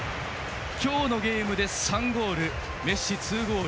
今日のゲームで３ゴールメッシは２ゴール。